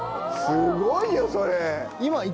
すごいよそれ。